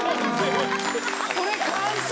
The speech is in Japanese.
それ完成？